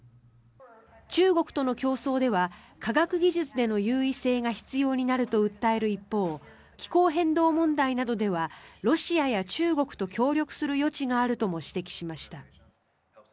中国との競争では科学技術での優位性が必要になると訴える一方気候変動問題などではロシアや中国と協力する余地があるとも指摘しました。